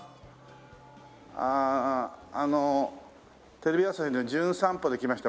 ああのテレビ朝日の『じゅん散歩』で来ました